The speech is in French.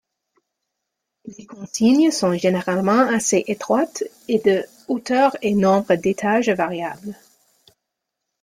Les consignes sont généralement assez étroites et de hauteurs et nombre d'étages variables.